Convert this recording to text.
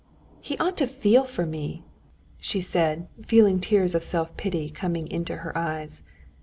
He ought to feel for me," she said, feeling tears of self pity coming into her eyes.